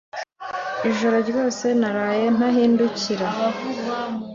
Ijoro ryose naraye ndahindukira.